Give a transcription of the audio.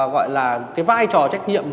gọi là cái vai trò trách nhiệm